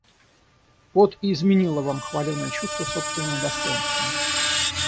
Вот и изменило вам хваленое чувство собственного достоинства.